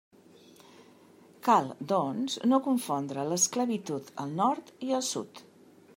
Cal, doncs, no confondre l'esclavitud al Nord i al Sud.